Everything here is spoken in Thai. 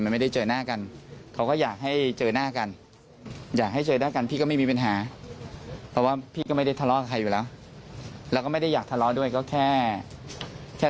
มันก็ได้คือนะวงจรปิดตอนนี้ก็แทบจะหาไม่ได้แล้ว